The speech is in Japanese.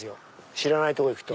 知らないとこ行くと。